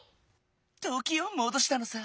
ときをもどしたのさ！